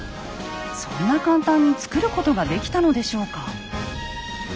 そんな簡単につくることができたのでしょうか？